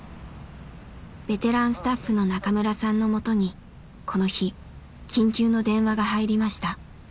ベテランスタッフの中村さんのもとにこの日緊急の電話が入りました。